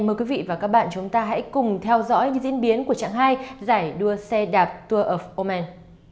mời quý vị và các bạn chúng ta hãy cùng theo dõi diễn biến của trạng hai giải đua xe đạp tour of oman